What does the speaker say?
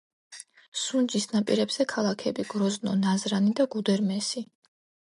სუნჯის ნაპირებზეა ქალაქები: გროზნო, ნაზრანი და გუდერმესი.